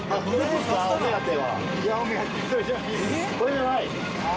これじゃない？